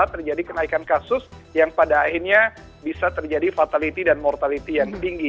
terjadi kenaikan kasus yang pada akhirnya bisa terjadi fatality dan mortality yang tinggi